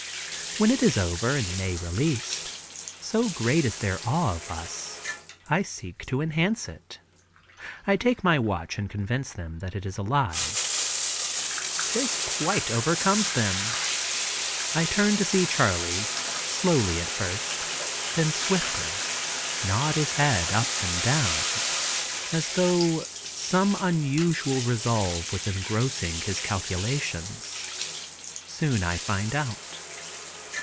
When it is over and Mae released, so great is their awe of us, I seek to enhance it. I take my watch and convince them it is alive. This quite overcomes them. I turn to see Charley, slowly at first, then swifter nod his head up and down, as tho' some unusual resolve was engrossing his calculations, soon I find out.